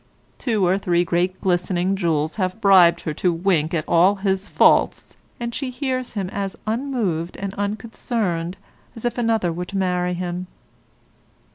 Two or three great glistening jewels have bribed her to wink at all his faults, and she hears him as unmoved and unconcerned as if another were to marry him.